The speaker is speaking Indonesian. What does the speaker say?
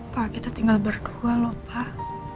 pak kita tinggal berdua loh pak